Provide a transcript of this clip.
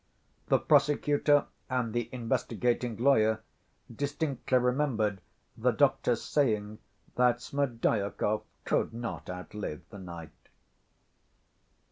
The prosecutor and the investigating lawyer distinctly remembered the doctor's saying that Smerdyakov could not outlive the night.